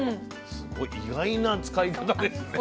すごい意外な使い方ですね。